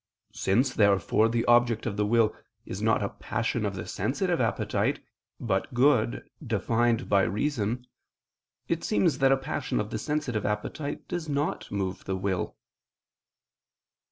Since therefore the object of the will is not a passion of the sensitive appetite, but good defined by the reason, it seems that a passion of the sensitive appetite does not move the will.